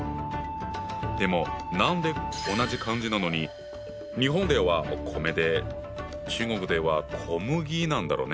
でも何で同じ漢字なのに日本ではお米で中国では小麦なんだろね？